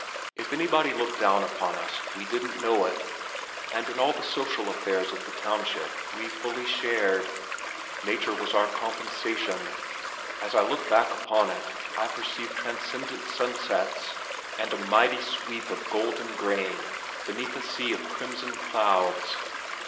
If anybody looked down upon us we didn't know it, and in all the social affairs of the township we fully shared. Nature was our compensation. As I look back upon it, I perceive transcendent sunsets, and a mighty sweep of golden grain beneath a sea of crimson clouds.